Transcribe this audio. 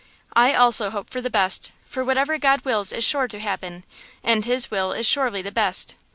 "I also hope for the best, for whatever God wills is sure to happen, and His will is surely the best!